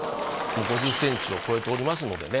５０ｃｍを超えておりますのでね